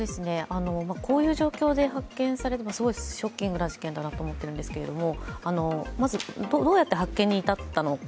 こういう状況で発見されたのはすごいショッキングな事件だと思うんですけど、まずどうやって発見に至ったのか。